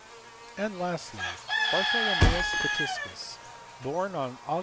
And lastly, Bartholomaus Pitiscus, born on Aug.